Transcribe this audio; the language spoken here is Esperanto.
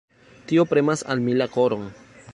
Tio premas al mi la koron.